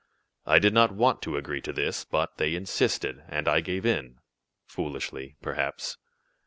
"I did not want to agree to this, but they insisted, and I gave in, foolishly perhaps.